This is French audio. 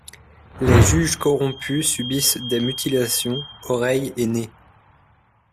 Les juges corrompus subissent des mutilations, oreilles et nez.